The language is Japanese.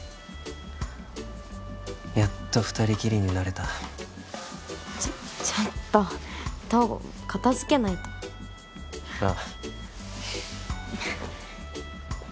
やっと二人きりになれたちょっちょっと東郷片づけないとああ